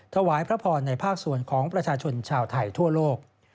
ถวายพระพรในภาคส่วนของประชาชนชาวไทยทั่วโลก